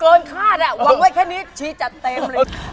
ก็จัดเต็มแบบเกินฆาตอ่ะวางไว้แค่นิดชีจัดเต็มเลย